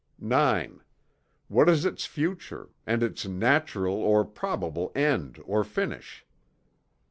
IX. What is its future; and its natural or probable end or finish?